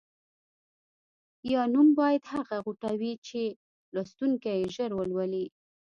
یا نوم باید هغه غوټه وي چې لوستونکی یې ژر ولولي.